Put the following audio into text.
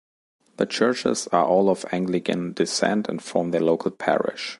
The churches are all of Anglican descent and form the local parish.